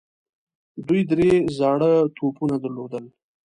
دوی درې زاړه توپونه درلودل.